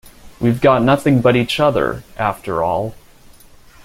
We've got nothing but each other, after all.